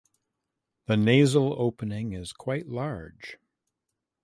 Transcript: The nasal opening is quite large.